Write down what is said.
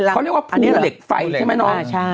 เขาเรียกว่าภูเหล็กไฟใช่ไหมน้อง